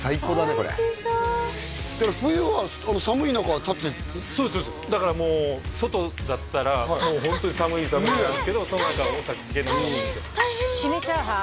これおいしそう冬は寒い中立ってそうですそうですだからもう外だったらもうホントに寒い寒いなんですけどお酒飲みに締めチャーハン？